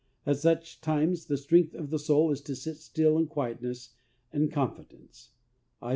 At such times the strength of the soul is to sit still in quietness and confi dence. (Is.